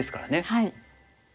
はい。